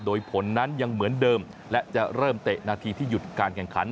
โดยผลนั้นยังเหมือนเดิมและจะเริ่มเตะนาทีที่หยุดการแข่งขัน